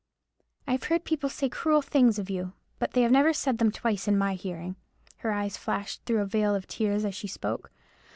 I have heard people say cruel things of you; but they have never said them twice in my hearing." Her eyes flashed through a veil of tears as she spoke.